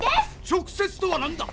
「直接」とはなんだ⁉